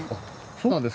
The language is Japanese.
そうなんです。